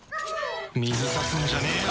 水差すんじゃねえよ！